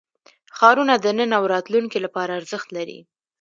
ښارونه د نن او راتلونکي لپاره ارزښت لري.